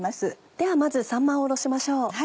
ではまずさんまをおろしましょう。